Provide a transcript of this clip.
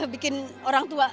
bikin orang tua